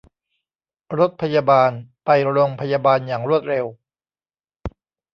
รถพยาบาลไปโรงพยาบาลอย่างรวดเร็ว